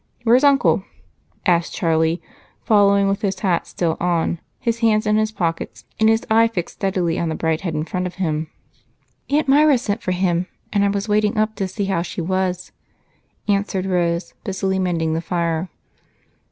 Where's Uncle?" asked Charlie, following with his hat still on, his hands in his pockets, and his eye fixed steadily on the bright head in front of him. "Aunt Myra sent for him, and I was waiting up to see how she was," answered Rose, busily mending the fire.